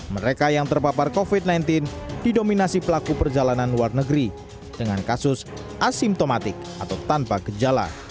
mereka yang terpapar covid sembilan belas didominasi pelaku perjalanan luar negeri dengan kasus asimptomatik atau tanpa gejala